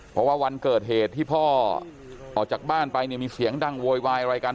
เพราะว่าวันเกิดเหตุที่พ่อออกจากบ้านไปเนี่ยมีเสียงดังโวยวายอะไรกัน